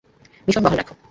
Mission বহাল রাখ!